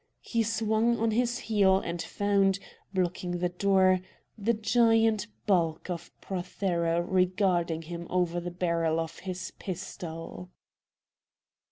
He swung on his heel and found, blocking the door, the giant bulk of Prothero regarding him over the barrel of his pistol.